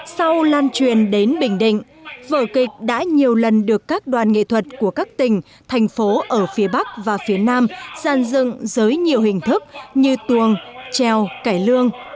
sau lan truyền đến bình định vở kịch đã nhiều lần được các đoàn nghệ thuật của các tỉnh thành phố ở phía bắc và phía nam giàn dựng dưới nhiều hình thức như tuồng treo cải lương